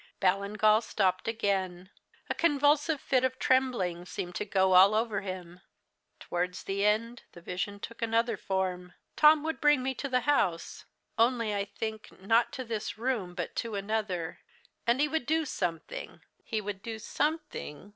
Ballingall stopped again. A convulsive fit of trembling seemed to go all over him. "Towards the end, the vision took another form. Tom would bring me to the house only I think, not to this room, but to another and he would do something he would do something.